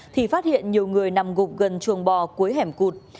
thì phát hiện nhiều người nằm gục gần chuồng bò cuối hẻm cụt